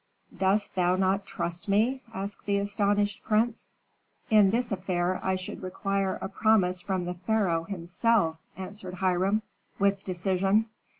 "Dost thou not trust me?" asked the astonished prince. "In this affair I should require a promise from the pharaoh himself," answered Hiram, with decision.